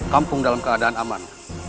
kampung dalam keadaan aman